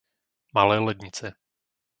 Malé Lednice